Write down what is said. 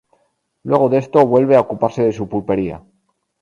Luego de esto, vuelve a ocuparse de su pulpería.